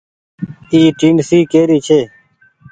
اي ٽيڻسي ڪي ري ڇي۔